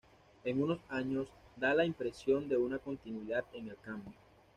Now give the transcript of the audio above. En unos años, da la impresión de una continuidad en el cambio.